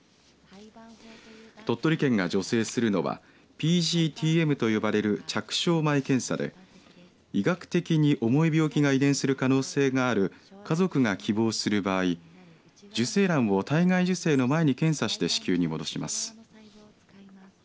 鳥取県が助成するのはＰＧＴ−Ｍと呼ばれる着床前検査で医学的に重い病気が遺伝する可能性がある家族が希望する場合受精卵を体外受精の前に検査して子宮に戻します。